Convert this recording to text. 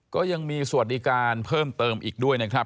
ก็ยังมีสวัสดิการเพิ่มเติมอีกด้วยนะครับ